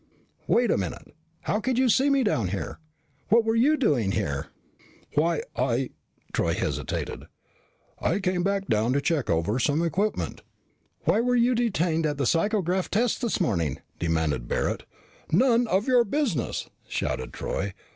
"Wait a minute. How could you see me down here? What were you doing here?" "Why I " Troy hesitated. "I came down to check over some equipment." "Why were you detained at the psychograph tests this morning?" demanded Barret. "None of your business!" shouted Troy.